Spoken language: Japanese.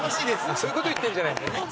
そういうこと言ってんじゃないんだよね？